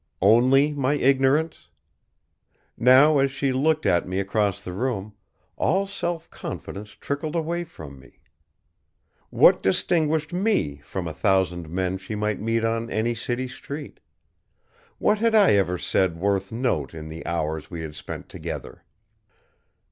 Only my ignorance? Now as she looked at me across the room, all self confidence trickled away from me. What distinguished me from a thousand men she might meet on any city street? What had I ever said worth note in the hours we had spent together?